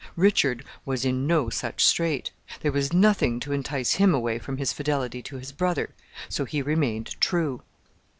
Richard was in no such strait. There was nothing to entice him away from his fidelity to his brother, so he remained true.